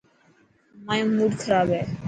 مايو موڊ کراب هي.